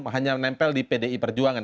hanya menempel di pdi perjuangan